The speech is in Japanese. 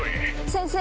先生！